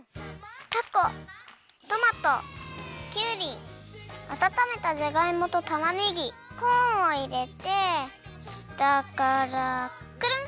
たこトマトきゅうりあたためたじゃがいもとたまねぎコーンをいれてしたからクルン。